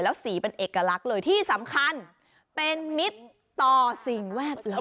แล้วสีเป็นเอกลักษณ์เลยที่สำคัญเป็นมิตรต่อสิ่งแวดล้อม